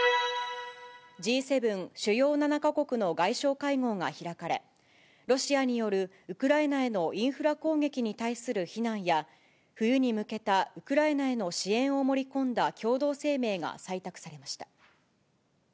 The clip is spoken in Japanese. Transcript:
Ｇ７・主要７か国の外相会合が開かれ、ロシアによるウクライナへのインフラ攻撃に対する非難や、冬に向けたウクライナへの支援を盛り込んだ共同声明が採択されました。